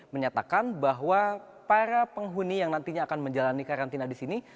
menyatakan bahwa para penghuni yang nantinya akan menjalani karantina di sini